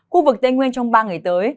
khu vực tây nguyên trong ba ngày tới